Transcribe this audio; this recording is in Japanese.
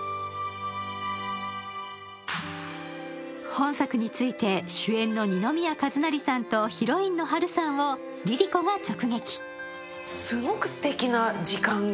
本作について、主演の二宮和也さんとヒロインの波瑠さんをＬｉＬｉＣｏが直撃。